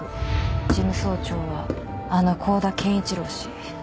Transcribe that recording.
事務総長はあの香田健一郎氏。